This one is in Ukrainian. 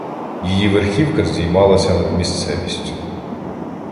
Її верхівка здіймалася над місцевістю.